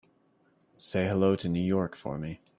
Say hello to New York for me.